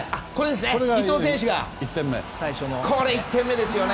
伊東選手がこれ、１点目ですよね。